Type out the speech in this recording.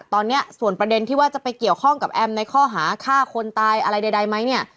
ตอนนี้ส่วนประเด็นที่ว่าจะไปเกี่ยวข้องกับแอมในข้อหาฆ่าคนตายอะไรใดไหมเนี่ย